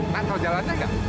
nak tahu jalannya nggak